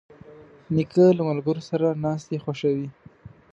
نیکه له ملګرو سره ناستې خوښوي.